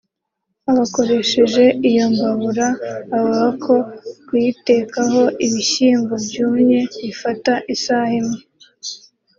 Abakoresheje iyo mbabura bavuga ko kuyitekaho ibishyimbo byumye bifata isaha imwe